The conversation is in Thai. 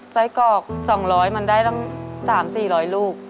ไซ่กอก๒๐๐มันได้ละ๓๔๐๐ลูก